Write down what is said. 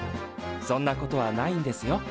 そんなことはないんですよ。